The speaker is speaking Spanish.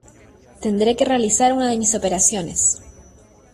Tendré que realizar una de mis operaciones.